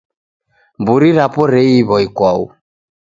Mburi rapo reiwa ikwau.